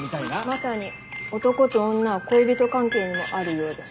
まさに男と女は恋人関係にもあるようです。